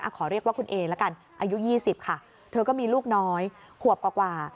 ขอเรียกว่าคุณเอละกันอายุ๒๐ค่ะเธอก็มีลูกน้อยขวบกว่า